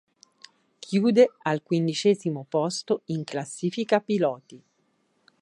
Chiude al quindicesimo posto in classifica piloti.